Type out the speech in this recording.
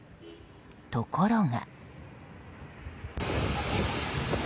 ところが。